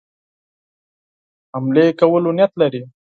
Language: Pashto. حملې کولو نیت لري.